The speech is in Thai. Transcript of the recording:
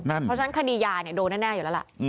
เพราะฉะนั้นคดียาโดนแน่อยู่แล้วล่ะ